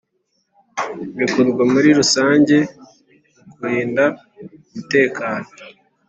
Bikorwa muri rusange mu kurinda umutekano